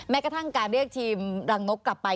กระทั่งการเรียกทีมรังนกกลับไป